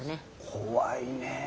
怖いねえ。